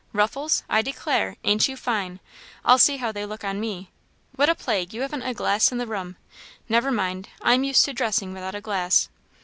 ruffles, I declare! ain't you fine! I'll see how they look on me. What a plague! you haven't a glass in the room. Never mind I am used to dressing without a glass."